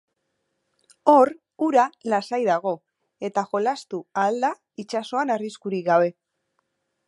Hor, ura lasai dago, eta jolastu ahal da itsasoan arriskurik gabe.